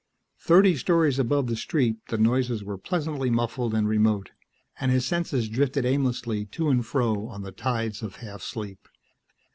Thirty stories above the street the noises were pleasantly muffled and remote, and his senses drifted aimlessly to and fro on the tides of half sleep.